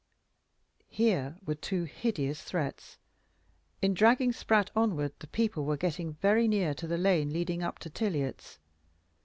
Here were two hideous threats. In dragging Spratt onward the people were getting very near to the lane leading up to Tiliot's.